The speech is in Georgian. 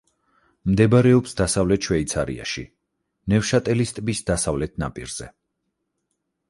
მდებარეობს დასავლეთ შვეიცარიაში, ნევშატელის ტბის დასავლეთ ნაპირზე.